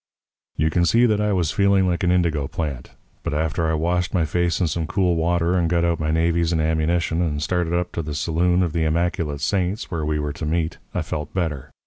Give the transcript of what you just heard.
"You can see that I was feeling like an indigo plant; but after I washed my face in some cool water, and got out my navys and ammunition, and started up to the Saloon of the Immaculate Saints where we were to meet, I felt better.